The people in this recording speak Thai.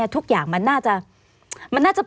ทุกอย่างมันน่าจะ